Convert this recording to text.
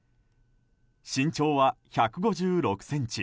身長は１５６ｃｍ。